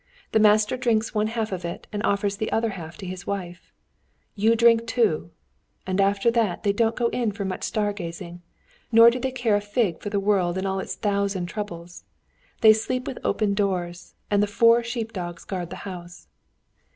The master drinks one half of it and offers the other half to his wife: 'You drink too!' And after that they don't go in for much stargazing, nor do they care a fig for the world and all its thousand troubles. They sleep with open doors, and the four sheep dogs guard the house.